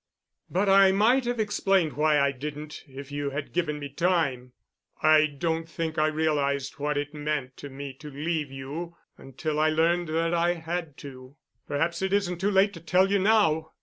But I might have explained why I didn't if you had given me time. I don't think I realized what it meant to me to leave you until I learned that I had to. Perhaps it isn't too late to tell you now."